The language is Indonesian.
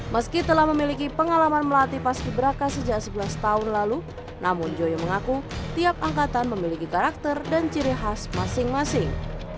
meski telah memiliki pengalaman melatih paski beraka sejak sebelas tahun lalu namun joyo mengaku tiap angkatan memiliki karakter dan ciri khas masing masing